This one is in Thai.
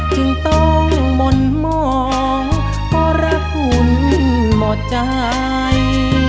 จึงต้องมนต์มองเพราะรักคุณหมดใจ